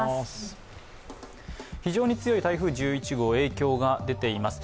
非常に強い台風１１号、影響が出ています。